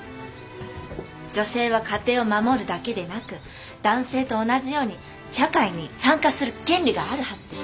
女性は家庭を守るだけでなく男性と同じように社会に参加する権利があるはずです。